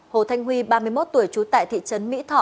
hồ thanh huy ba mươi một tuổi trú tại thị trấn mỹ thọ